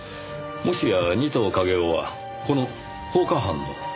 もしや仁藤景雄はこの放火犯の。